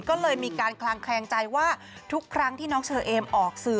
ก็เลยมีการคลางแคลงใจว่าทุกครั้งที่น้องเชอเอมออกสื่อ